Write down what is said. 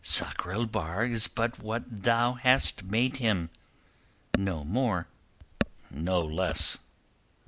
Sakr el Bahr is but what thou hast made him—no more, no less."